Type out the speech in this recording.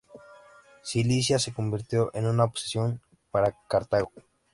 Sicilia se convirtió en una obsesión para Cartago.